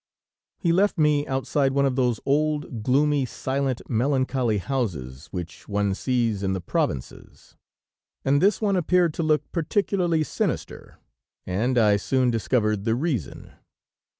He left me outside one of those old, gloomy, silent, melancholy houses, which one sees in the provinces, and this one appeared to look particularly sinister, and I soon discovered the reason.